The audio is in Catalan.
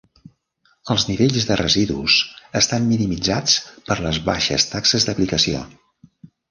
Els nivells de residus estan minimitzats per les baixes taxes d'aplicació.